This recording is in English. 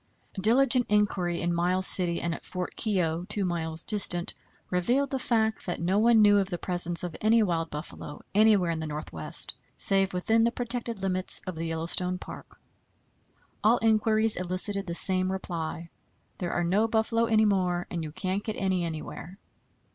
Diligent inquiry in Miles City and at Fort Keogh, 2 miles distant, revealed the fact that no one knew of the presence of any wild buffalo anywhere in the Northwest, save within the protected limits of the Yellowstone Park. All inquiries elicited the same reply: "There are no buffalo any more, and you can't get any anywhere."